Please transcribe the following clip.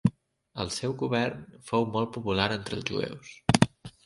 El seu govern fou molt popular entre els jueus.